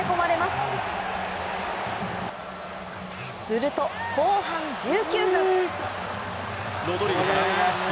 すると後半１９分。